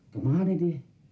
kemana deh dia